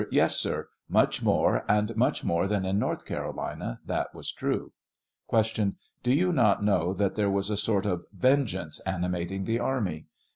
Yes, sir; much more, and much more than in North Carolina, that was true. Q. Do you not know that there was a sort of venge ance animating the army